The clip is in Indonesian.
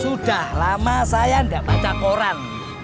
sudah lama saya tidak baca koran